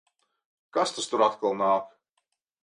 Kas tas tur atkal nāk?